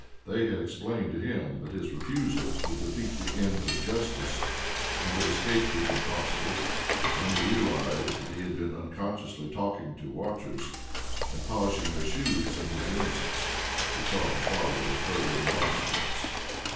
They had explained to him that his refusal would defeat the ends of justice, and that escape was impossible; and when he realized that he had been unconsciously talking to watchers, and polishing their shoes in his innocence, he saw the folly of further remonstrance.